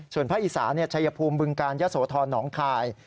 ส่วนภาคอีสาชัยภูมิบึงกาลยะโสธรหนองคาย